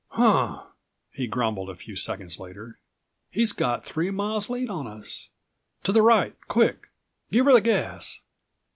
"Huh," he grumbled a few seconds later, "he's got three miles lead on us. To the right. Quick, give her the gas."